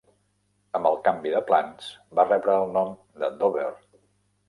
Amb el canvi de plans, va rebre el nom de Dover.